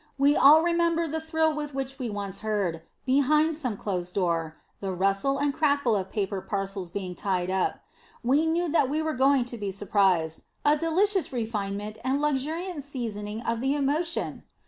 We all remember the thrill with which we once heard, behind some closed door, the rustle and crackle of paper parcels being tied up. We knew that we were going to be surprised a delicious refinement and luxuriant seasoning of the emotion!